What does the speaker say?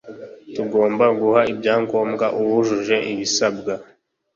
tugomba guha ibyangombwa uwujuje ibisabwa